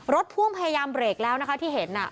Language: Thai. รถพ่วงพยายามเบรกแล้วที่เห็น